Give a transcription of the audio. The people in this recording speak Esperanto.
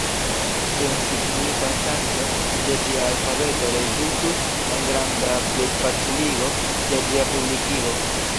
Sensignifa ŝanĝo de ĝia alfabeto rezultus en granda plifaciligo de ĝia publikigo.